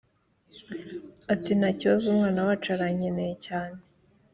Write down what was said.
ati: "nta kibazo." "umwana wacu arankeneye cyane."